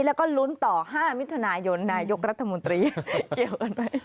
แล้วก็ลุ้นต่อ๕มิถุนายนนายกรัฐมนตรีเกี่ยวกันไหม